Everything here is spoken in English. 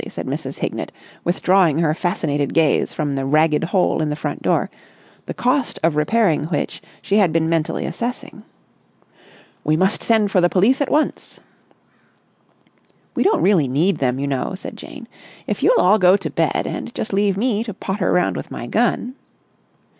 said Mrs. Hignett, withdrawing her fascinated gaze from the ragged hole in the front door, the cost of repairing which she had been mentally assessing. "We must send for the police at once." "We don't really need them, you know," said Jane. "If you'll all go to bed and just leave me to potter round with my gun...."